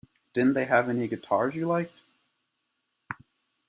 Didn't they have any guitars you liked?